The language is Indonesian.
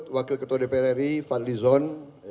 wakil ketua dpr ri fadli zon